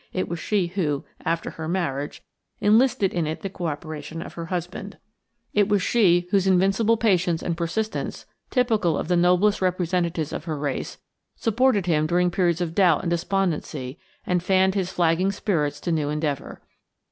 It was she who, after her marriage, enlisted in it the coöperation of her husband. It was she whose invincible patience and persistence typical of the noblest representatives of her race supported him during periods of doubt and despondency and fanned his flagging spirits to new endeavor.